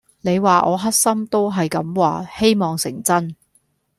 你話我黑心都係咁話，希望成真